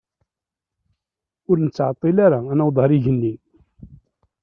Ur nettɛeṭṭil ara ad naweḍ ar igenni.